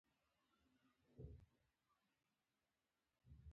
څوک چې وروسته پاتې شول نن هم باید پاتې شي.